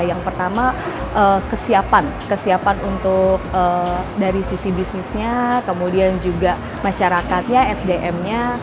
yang pertama kesiapan kesiapan untuk dari sisi bisnisnya kemudian juga masyarakatnya sdm nya